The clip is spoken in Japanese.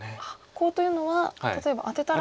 コウというのは例えばアテたら。